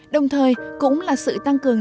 đồng thời cũng là sự tăng cường